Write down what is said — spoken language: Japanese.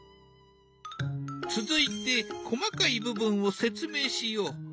続いて細かい部分を説明しよう。